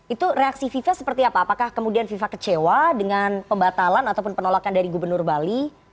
itu reaksi fifa seperti apa apakah kemudian fifa kecewa dengan pembatalan ataupun penolakan dari gubernur bali